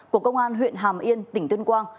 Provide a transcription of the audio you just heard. của công an huyện hàm yên tỉnh tuyên quang